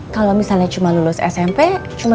kalau misalnya cuma lulus smp